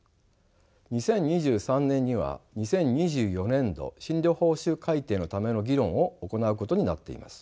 ２０２３年には２０２４年度診療報酬改定のための議論を行うことになっています。